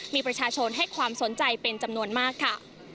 มีประชาชนให้ความสนใจเป็นจำนวนมากค่ะ